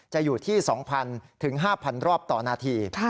จะอยู่ที่๒๐๐๕๐๐รอบต่อนาที